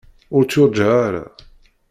Ur tt-yurǧa ara.